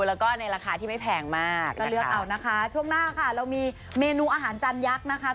แล้วก็ในราคาที่ไม่แพงมากก็เลือกเอานะคะช่วงหน้าค่ะเรามีเมนูอาหารจานยักษ์นะคะ